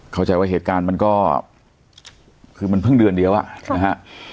เข้าใจว่าเหตุการณ์มันก็คือมันเพิ่งเดือนเดียวอ่ะนะฮะ